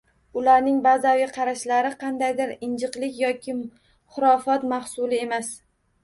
Ularning bazaviy qarashlari qandaydir injiqlik yoki xurofot mahsuli emas